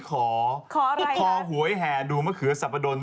ขออะไรครับขอหวยแห่ดูมะเขือสับปะดน